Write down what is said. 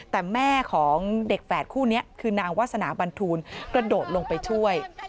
แต่แม่ของเด็กแฝดคู่นี้คือนางวาสนาบันทูลกระโดดลงไปช่วย